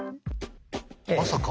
まさか。